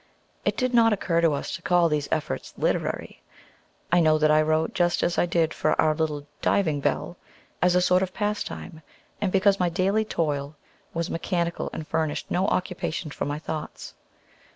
It did not occur to us to call these efforts "literary." I know that I wrote just as I did for our little "Diving Bell," as a sort of pastime, and because my daily toil was mechanical, and furnished no occupation for my thoughts.